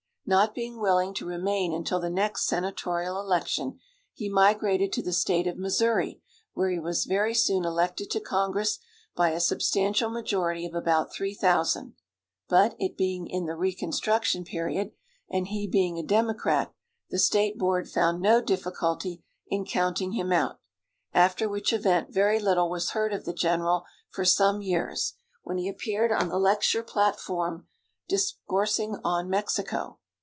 Not being willing to remain until the next senatorial election, he migrated to the State of Missouri, where he was very soon elected to congress by a substantial majority of about 3,000; but, it being in the reconstruction period, and he being a Democrat, the state board found no difficulty in counting him out, after which event very little was heard of the general for some years, when he appeared on the lecture platform, discoursing on Mexico.